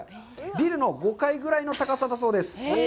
ビルの５階ぐらいの高さだそうです。